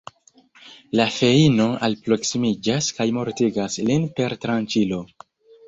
La feino alproksimiĝas, kaj mortigas lin per tranĉilo.